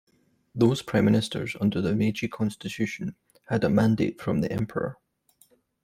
Those Prime Ministers under the Meiji Constitution had a mandate from the Emperor.